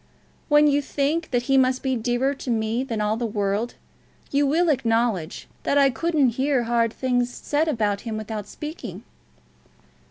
"When you think that he must be dearer to me than all the world, you will acknowledge that I couldn't hear hard things said of him without speaking."